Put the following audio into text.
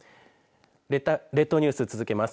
列島ニュースを続けます。